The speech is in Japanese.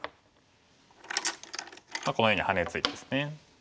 このようにハネツイでですね。